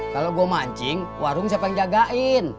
kalau gue mancing warung siapa yang jagain